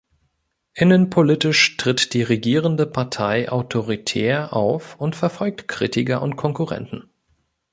Innenpolitisch tritt die regierende Partei autoritär auf und verfolgt Kritiker und Konkurrenten.